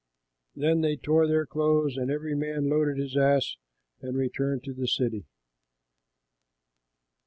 Then they tore their clothes, and every man loaded his ass and returned to the city.